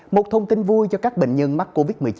một thông tin vui cho các bệnh nhân mắc covid một mươi chín